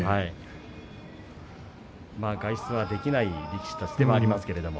外出はできない力士たちではありますけれども。